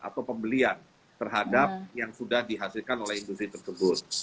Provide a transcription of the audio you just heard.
kepembelian terhadap yang sudah dihasilkan oleh industri tersebut